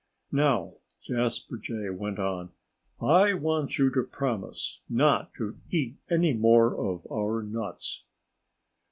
"Now," Jasper Jay went on, "I want you to promise not to eat any more of our nuts."